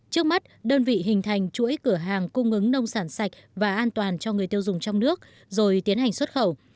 trước mắt đơn vị hình thành chuỗi cửa hàng cung ứng nông sản sạch và an toàn cho người tiêu dùng trong nước rồi tiến hành xuất khẩu